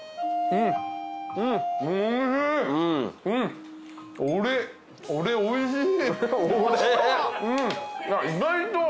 うんおいしい。